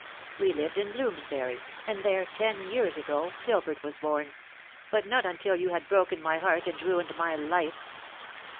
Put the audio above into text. We lived in Bloomsbury, and there, ten years ago, Gilbert was born; but not until you had broken my heart and ruined my life."